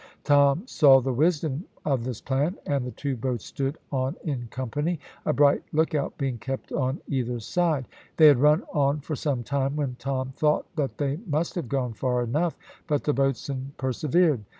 Tom saw the wisdom of this plan, and the two boats stood on in company, a bright look out being kept on either side. They had run on for some time when Tom thought that they must have gone far enough, but the boatswain persevered.